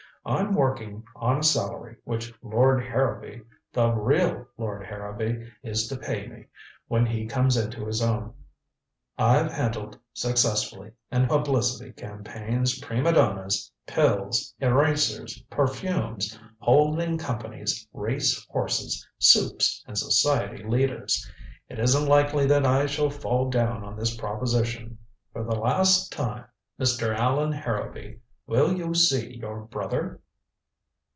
I'm working on a salary which Lord Harrowby the real Lord Harrowby is to pay me when he comes into his own. I've handled successfully in publicity campaigns prima donnas, pills, erasers, perfumes, holding companies, race horses, soups and society leaders. It isn't likely that I shall fall down on this proposition. For the last time, Mr. Allan Harrowby, will you see your brother?"